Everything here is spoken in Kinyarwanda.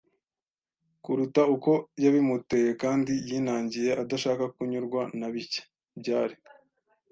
kuruta uko yabimuteye kandi yinangiye adashaka kunyurwa na bike. Byari